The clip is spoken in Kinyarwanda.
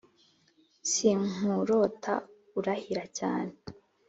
sinkurota urahira cyane